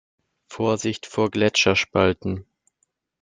Vorsicht vor Gletscherspalten!